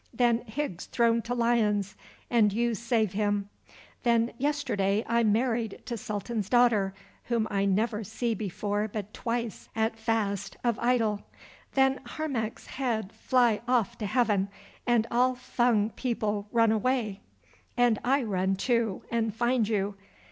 Then Higgs thrown to lions and you save him. Then yesterday I married to Sultan's daughter, whom I never see before but twice at fast of idol. Then Harmac's head fly off to heaven, and all Fung people run away, and I run too, and find you.